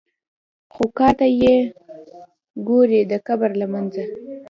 خو کار ته یې ګورې د قبر له منځه.